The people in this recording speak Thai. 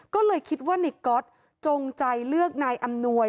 ก็เลยคิดว่าในก๊อตจงใจเลือกนายอำนวย